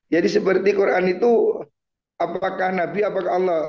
jadi seperti al qur an itu apakah nabi apakah allah